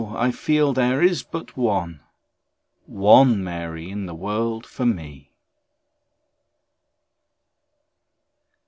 I feel there is but one, One Mary in the world for me.